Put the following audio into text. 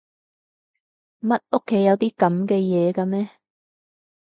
乜屋企有啲噉嘅嘢㗎咩？